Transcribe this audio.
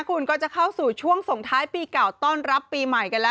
คุณก็จะเข้าสู่ช่วงส่งท้ายปีเก่าต้อนรับปีใหม่กันแล้ว